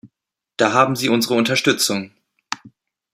Da haben Sie unsere Unterstützung!